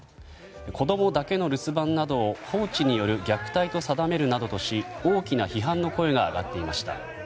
子供だけの留守番などを放置による虐待と定めるなどし大きな批判の声が上がっていました。